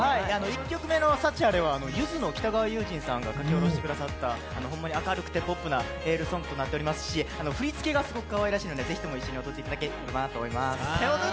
１曲目の「サチアレ」はゆずの北川悠仁さんが書き下ろしてくれて、ほんまに、明るくてポップなエールソングになってますし振り付けがすごくかわいらしいので是非踊っていただければと思います。